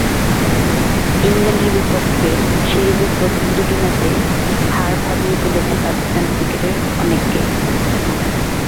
ইংল্যান্ডের বিপক্ষে সিরিজের প্রথম দুটো ম্যাচে হার ভাবিয়ে তুলেছে পাকিস্তান ক্রিকেটের অনেককে।